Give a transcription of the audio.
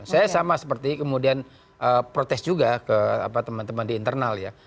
saya sama seperti kemudian protes juga ke teman teman di internal ya